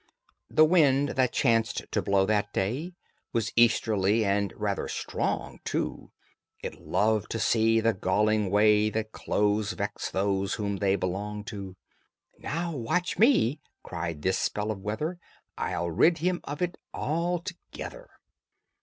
The wind that chanced to blow that day Was easterly, and rather strong, too: It loved to see the galling way That clothes vex those whom they belong to: "Now watch me," cried this spell of weather, "I'll rid him of it altogether."